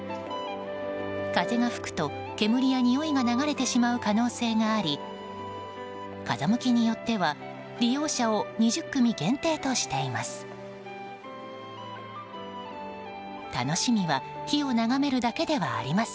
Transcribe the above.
風が吹くと、煙やにおいが流れてしまう可能性があり風向きによっては利用者を２０組限定としています。